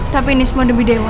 tapi ini semua demi dewa